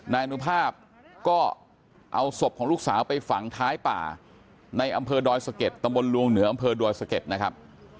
นายอนุภาพก็เอาศพของลูกสาวไปฝังท้ายป่าในอำเภอดอยสะเก็ดตำบลลวงเหนืออำเภอดอยสะเก็ดนะครับ